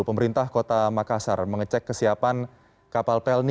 pemerintah kota makassar mengecek kesiapan kapal pelni